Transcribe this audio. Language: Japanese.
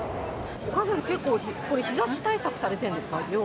お母さん、これ、結構日ざし対策されてるんですか？